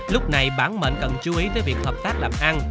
lúc này bản mệnh cần chú ý tới việc hợp tác làm ăn